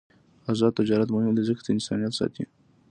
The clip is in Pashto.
آزاد تجارت مهم دی ځکه چې انسانیت ساتي.